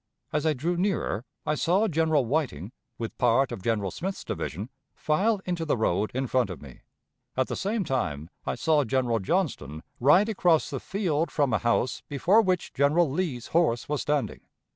As I drew nearer, I saw General Whiting, with part of General Smith's division, file into the road in front of me; at the same time I saw General Johnston ride across the field from a house before which General Lee's horse was standing.